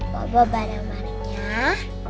bobo bareng marniah